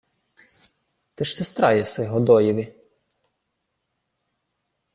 — Ти ж сестра єси Годоєві?